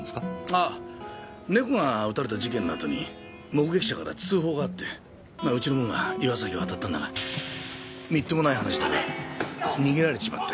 あぁ猫が撃たれた事件の後に目撃者から通報があってうちの者が岩崎を当たったんだがみっともない話だが逃げられちまったようで。